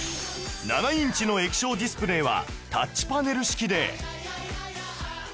７インチの液晶ディスプレイはタッチパネル式で